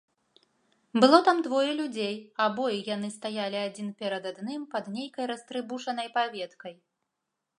Было там двое людзей, абое яны стаялі адзін перад адным пад нейкай растрыбушанай паветкай.